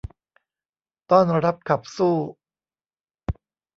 ต้อนรับขับสู้